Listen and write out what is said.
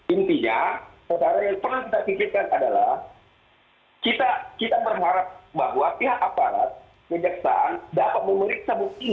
intinya sekarang yang pernah kita pikirkan adalah kita berharap bahwa pihak aparat kejaksaan dapat memeriksa bukti